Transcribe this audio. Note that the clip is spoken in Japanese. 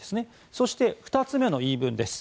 そして２つ目の言い分です。